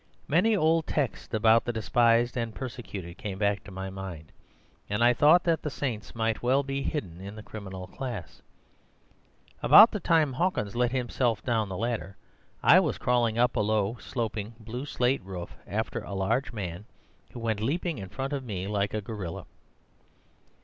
Many old texts about the despised and persecuted came back to my mind, and I thought that the saints might well be hidden in the criminal class. About the time Hawkins let himself down the ladder I was crawling up a low, sloping, blue slate roof after the large man, who went leaping in front of me like a gorilla.